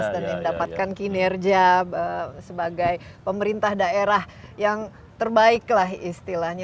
dan mendapatkan kinerja sebagai pemerintah daerah yang terbaik lah istilahnya